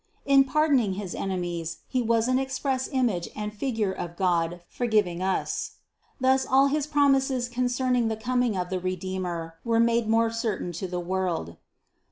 In pardoning his enemies, he was an express image and figure of God forgiving us. Thus all his promises con cerning the coming of the Redeemer were made more certain to the world.